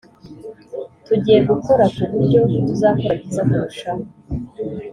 tugiye gukora ku buryo tuzakora byiza kurushaho